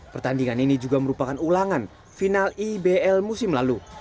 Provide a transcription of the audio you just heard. pertandingan ini juga merupakan ulangan final ibl musim lalu